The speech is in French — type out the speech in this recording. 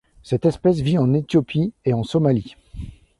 Cette espèce vit en Éthiopie et en Somalie.